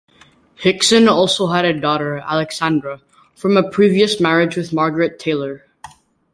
Hixon also had a daughter, Alexandra, from a previous marriage with Margaret Taylor.